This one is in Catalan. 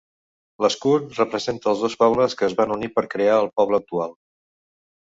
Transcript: L'escut representa els dos pobles que es van unir per crear el poble actual.